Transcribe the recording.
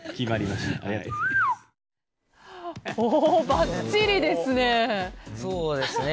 ばっちりですね。